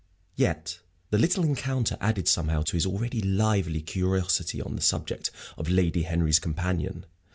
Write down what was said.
Yet the little encounter added somehow to his already lively curiosity on the subject of Lady Henry's companion.